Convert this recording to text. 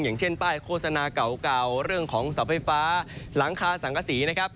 อย่างเช่นป้ายโฆษณาเก่าเรื่องของเสาไฟฟ้าหลังคาสังกษีนะครับ